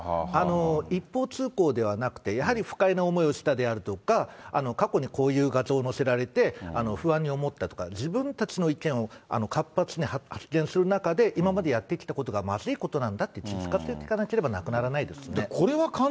一方通行ではなくて、やはり不快な思いをしたであるとか、過去にこういう画像を載せられて、不安に思ったとか、自分たちの意見を活発に発言する中で、今までやってきたことがまずいことなんだって気付かせていかな